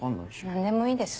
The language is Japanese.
何でもいいです